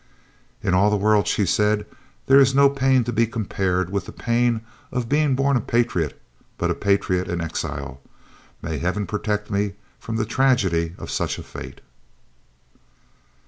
"In all the world," she said, "there is no pain to be compared with the pain of being born a patriot; but a patriot in exile may Heaven protect me from the tragedy of such a fate!"